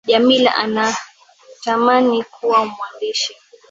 Jamila anatamani kuwa mwandishi